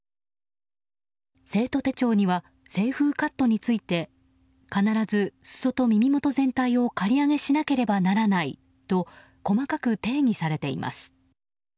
生徒手帳には清風カットについて必ず裾と耳もと全体を刈り上げしなければならないと細かく定義されています。